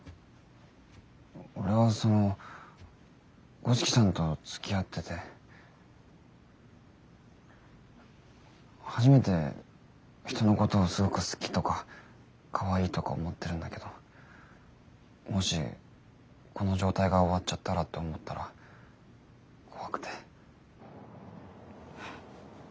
俺はその五色さんとつきあってて初めて人のことをすごく好きとかかわいいとか思ってるんだけどもしこの状態が終わっちゃったらって思ったら怖くて。